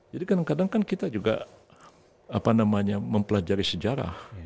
jadi kadang kadang kan kita juga mempelajari sejarah